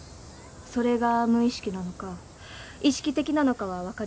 それが無意識なのか意識的なのかはわかりませんけど。